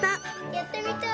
やってみたい！